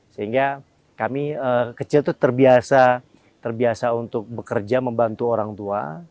sehingga kami kecil itu terbiasa untuk bekerja membantu orang tua